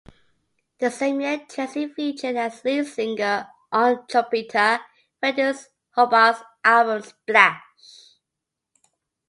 The same year Tracy featured as lead singer on trumpeter Freddie Hubbard's album Splash.